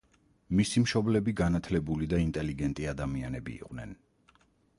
მისი მშობლები განათლებული და ინტელიგენტი ადამიანები იყვნენ.